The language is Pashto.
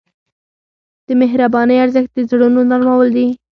د مهربانۍ ارزښت د زړونو نرمول دي.